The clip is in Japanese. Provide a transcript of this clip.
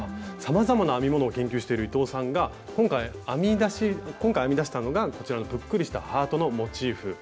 さまざまな編み物を研究している伊藤さんが今回編み出したのがこちらのぷっくりしたハートのモチーフ。